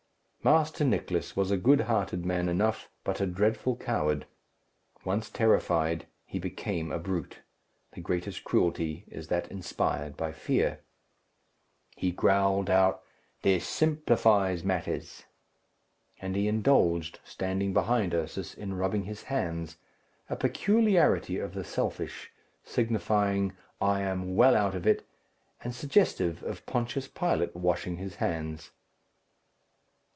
Master Nicless was a good hearted man enough, but a dreadful coward. Once terrified, he became a brute. The greatest cruelty is that inspired by fear. He growled out, "This simplifies matters." And he indulged, standing behind Ursus, in rubbing his hands, a peculiarity of the selfish, signifying, "I am well out of it," and suggestive of Pontius Pilate washing his hands.